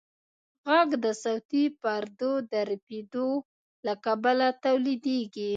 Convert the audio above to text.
غږ د صوتي پردو د رپېدو له کبله تولیدېږي.